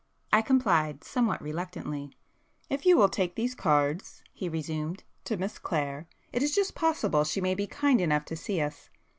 I complied, somewhat reluctantly. "If you will take these cards"—he resumed—"to Miss Clare, it is just possible she may be kind enough to see us.